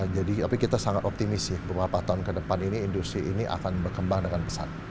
jadi tapi kita sangat optimis ya beberapa tahun ke depan ini industri ini akan berkembang dengan besar